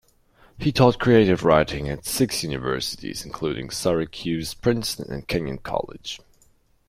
He taught creative writing at six universities, including Syracuse, Princeton, and Kenyon College.